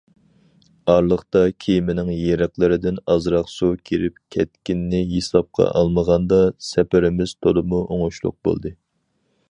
ئارىلىقتا كېمىنىڭ يېرىقلىرىدىن ئازراق سۇ كىرىپ كەتكىنىنى ھېسابقا ئالمىغاندا سەپىرىمىز تولىمۇ ئوڭۇشلۇق بولدى.